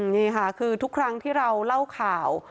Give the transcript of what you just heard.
นี่ค่ะคือทุกครั้งที่เราเล่าข่าว